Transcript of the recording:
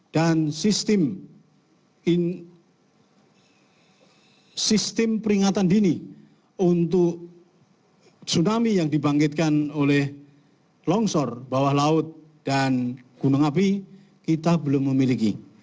dan sistem peringatan dini untuk tsunami yang dibangkitkan oleh longsor bawah laut dan gunung api kita belum memiliki